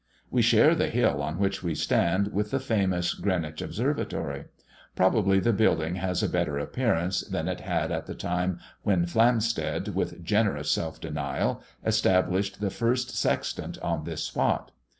We share the hill on which we stand with the famous Greenwich observatory. Probably the building has a better appearance than it had at the time when Flamstead, with generous self denial, established the first sextant on this spot.